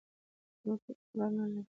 نور ترې خبر نه لرم